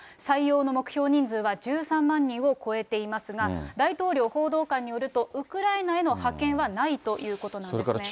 採用の目標人数は１３万人を超えていますが、大統領報道官によると、ウクライナへの派遣はないということなんですね。